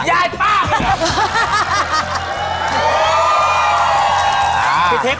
ยายป้าม